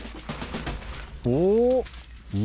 お！